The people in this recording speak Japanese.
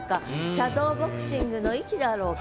シャドーボクシングの息だろうか？